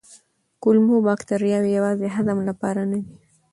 کولمو بکتریاوې یوازې هضم لپاره نه دي.